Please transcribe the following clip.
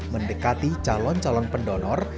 mendekati calon calon pendonor